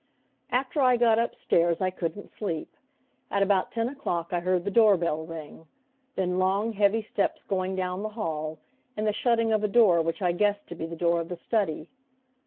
After I got up stairs I couldn't sleep. At about ten o'clock I heard the door bell ring, then long heavy steps going down the hall, and the shutting of a door which I guessed to be the door of the study.